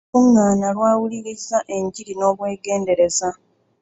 Olukungaana lwawulirizza enjiri n'obwegendereza.